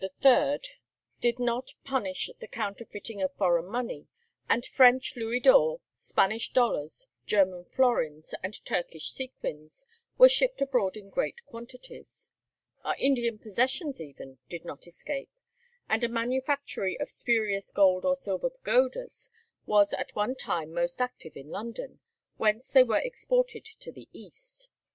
cap. 126, did not punish the counterfeiting of foreign money, and French louis d'or, Spanish dollars, German florins, and Turkish sequins were shipped abroad in great quantities. Our Indian possessions even did not escape, and a manufactory of spurious gold or silver pagodas was at one time most active in London, whence they were exported to the East.